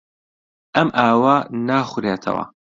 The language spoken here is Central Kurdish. ئەم ئاوە ناخورێتەوە.